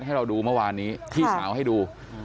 ให้เราดูเมื่อวานนี้พี่สาวให้ดู